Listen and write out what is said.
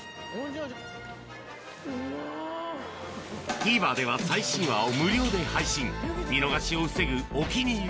ＴＶｅｒでは最新話を無料で配信見逃しを防ぐ「お気に入り」